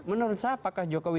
menurut saya apakah jokowi